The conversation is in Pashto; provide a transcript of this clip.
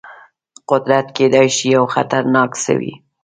قدرت کېدای شي یو خطرناک څه وي.